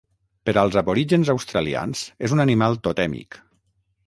Per als aborígens australians és un animal totèmic.